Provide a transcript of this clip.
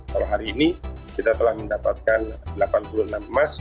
kalau hari ini kita telah mendapatkan delapan puluh enam emas